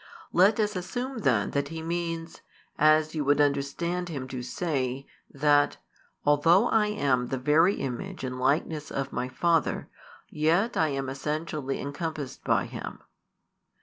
Let us assume then that He means, as you would understand Him to say, that "although I am the Very Image and Likeness of My Father, yet I am essentially encompassed by Him."